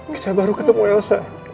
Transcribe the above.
kita baru ketemu elsa